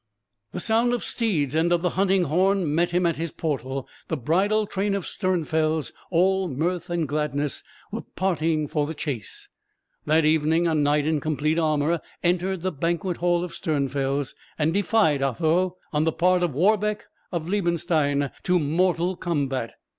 The sound of steeds and of the hunting horn met him at his portal; the bridal train of Sternfels, all mirth and gladness, were parting for the chase. That evening a knight in complete armour entered the banquet hall of Sternfels, and defied Otho, on the part of Warbeck of Liebenstein, to mortal combat.